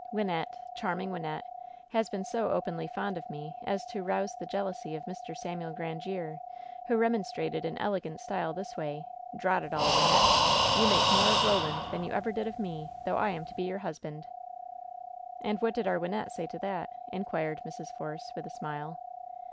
Wynnette — charming Wynnette — has been so openly fond of me as to rouse the jealousy of Mr. Samuel Grandiere, who remonstrated in elegant style this way: *Drot it all, Wynnette! You make more of Roland than you ever did of me, though I am to be your husband.^ ^^ "And what did our Wynnette say to that ?" inquired Mrs. Force, with a smile.